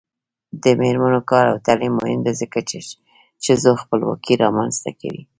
د میرمنو کار او تعلیم مهم دی ځکه چې ښځو خپلواکي رامنځته کوي.